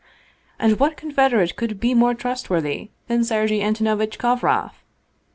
And what confederate could be more trustworthy than Sergei An tonovitch Kovroff?